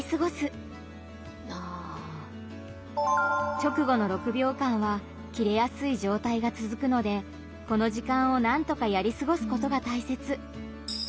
直後の６秒間はキレやすい状態がつづくのでこの時間をなんとかやりすごすことが大切。